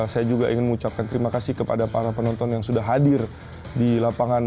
saya juga ingin mengucapkan terima kasih kepada para penonton yang sudah hadir di lapangan